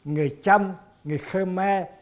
người trâm người khmer